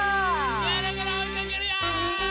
ぐるぐるおいかけるよ！